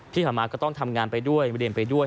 ที่ผ่านมาก็ต้องทำงานไปด้วยมาเรียนไปด้วย